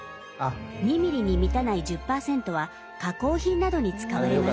２ミリに満たない１０％は加工品などに使われます。